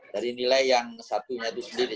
dari nilai yang satunya itu sendiri